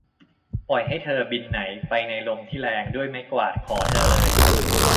ปล่อยให้เธอบินไหนไปในลมที่แรงด้วยไม้กวาดขอเธอเลย !